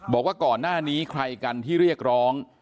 บอกว่าก่อนหน้านี้ใครกันที่เรียกร้อง